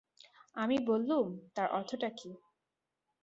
আমি বললুম, তার অর্থটা কী?